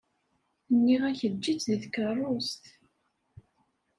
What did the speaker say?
Nniɣ-ak eǧǧ-itt deg tkeṛṛust.